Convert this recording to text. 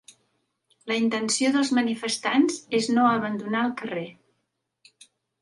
La intenció dels manifestants és no abandonar el carrer.